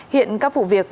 hiện các vụ việc